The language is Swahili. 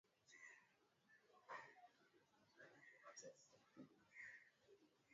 ya moto katika msitu wa Amazon ni janga la kimataifa ambalo